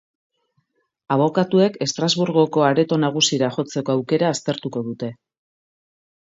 Abokatuek Estrasburgoko Areto Nagusira jotzeko aukera aztertuko dute.